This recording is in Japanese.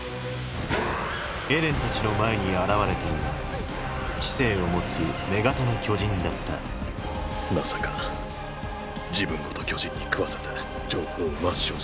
エレンたちの前に現れたのは知性を持つ「女型の巨人」だったまさか自分ごと巨人に食わせて情報を抹消するとは。